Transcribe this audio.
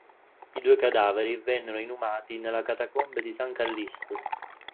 I due cadaveri vennero inumati nelle catacombe di San Callisto.